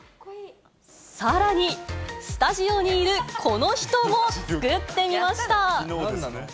さらに、スタジオにいるこの人も作ってみました。